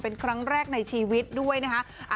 เป็นครั้งแรกในชีวิตด้วยนะคะ